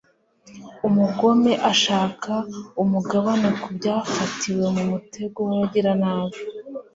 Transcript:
Umugome ashaka umugabane ku byafatiwe mu mutego w’abagiranabi